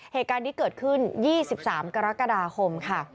เหตุการณ์นี้เกิดขึ้น๒๓กรกฎาคมค่ะ